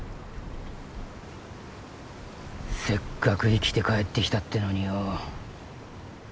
せっかく生きて帰ってきたってのによ。